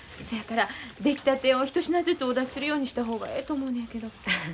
そやから出来たてを一品ずつお出しするようにした方がええと思うのやけど。